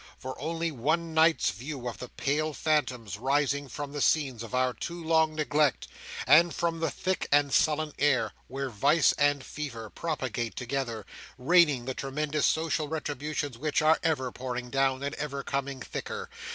For only one night's view of the pale phantoms rising from the scenes of our too long neglect; and from the thick and sullen air where Vice and Fever propagate together, raining the tremendous social retributions which are ever pouring down, and ever coming thicker!